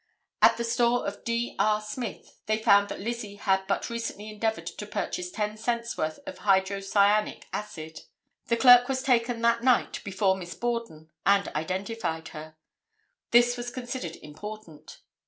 At the store of D. R. Smith they found that Lizzie had but recently endeavored to purchase ten cents worth of hydrocyanic acid. The clerk was taken that night before Miss Borden, and identified her. This was considered important.